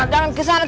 jangan kesana tuan